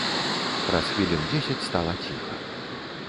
Праз хвілін дзесяць стала ціха.